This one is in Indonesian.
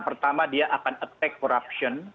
pertama dia akan attack corruption